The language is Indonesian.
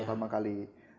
seratus piece pertama kali